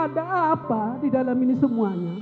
jadi ada apa di dalam ini semuanya